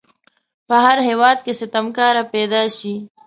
په هر هیواد کې ستمکاره پیداشي.